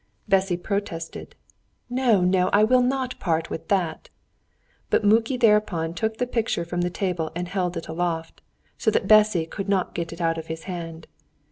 Bessy protested. "No, no, I will not part with that." But Muki thereupon took the picture from the table and held it aloft, so that Bessy could not get it out of his hand.